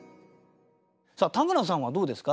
田村さんはどうですか？